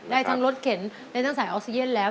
ได้ทั้งรถเข็นได้ทั้งสายออกซิเจนแล้ว